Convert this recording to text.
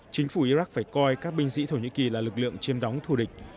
chính phủ iraq phải coi các binh sĩ thổ nhĩ kỳ là lực lượng chiêm đóng thù địch